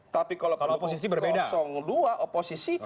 tapi kalau pendukung kosong dua oposisi